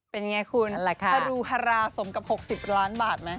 เป็นไงคุณคารูฮาราสมกับ๖๐ล้านบาทไหม